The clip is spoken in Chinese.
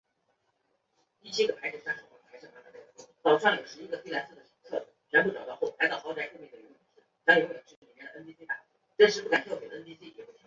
中国十大民族女高音歌唱家。